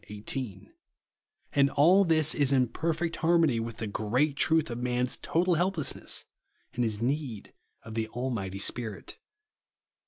18) ; and all this is in per fect harmony with the great truth of man's total helplessness and his need of the Al mighty Spirit.